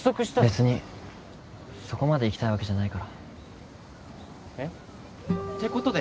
別にそこまで行きたいわけじゃないからえっ？ってことで